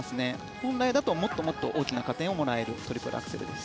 本来は、もっと大きな加点をもらえるトリプルアクセルです。